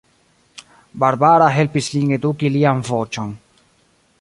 Barbara helpis lin eduki lian voĉon.